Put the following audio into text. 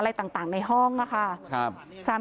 พี่ทีมข่าวของที่รักของ